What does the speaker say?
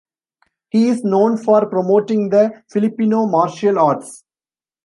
He is known for promoting the Filipino Martial Arts.